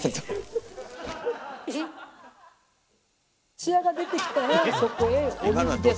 ツヤが出てきたらそこへお水です。